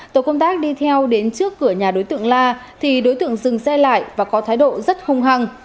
tổ công tác đi theo đến trước cửa nhà đối tượng la thì đối tượng dừng xe lại và có thái độ rất hung hăng